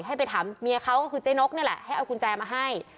ให้ไปถามเมียเขาก็คือเจ๊นกนี่แหละให้เอากุญแจมาให้